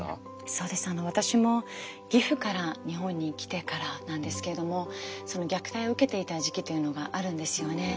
そうです私も義父から日本に来てからなんですけれども虐待を受けていた時期というのがあるんですよね。